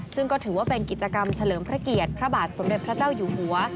ซึ่งก็ถือว่าเป็นกิจกรรมเฉลิมพระเกียรติพระบาทสมเด็จพระเจ้าอยู่หัว